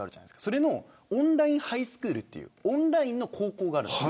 そこのオンラインハイスクールというオンラインの高校があるんです。